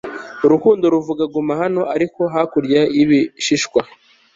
urukundo ruvuga guma hano ariko hakurya y'ibishishwa